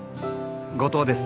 後藤です。